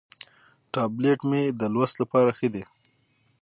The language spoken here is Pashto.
ټابلیټ مې د لوست لپاره ښه دی.